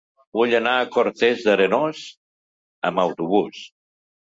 Vull anar a Cortes d'Arenós amb autobús.